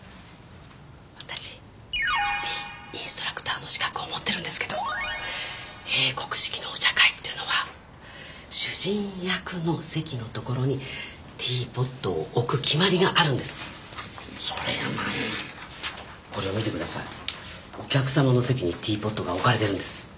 私ティーインストラクターの資格を持ってるんですけど英国式のお茶会っていうのは主人役の席の所にティーポットを置く決まりがあるんですそれが何なんだこれを見てくださいお客さまの席にティーポットが置かれてるんです